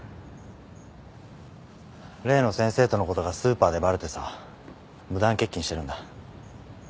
例の先生とのことがスーパーでバレてさ無断欠勤してるんだ。